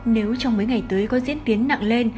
nếu trong mấy ngày tới có diễn tiến nặng lên